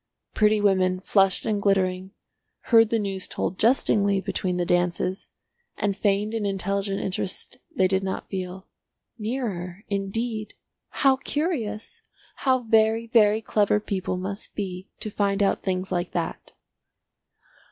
Pretty women, flushed and glittering, heard the news told jestingly between the dances, and feigned an intelligent interest they did not feel. "Nearer! Indeed. How curious! How very, very clever people must be to find out things like that!"